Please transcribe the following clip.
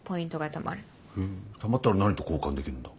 へえたまったら何と交換できるんだ？